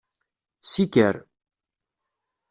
Siker.